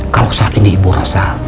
kalau saat ini ibu rasa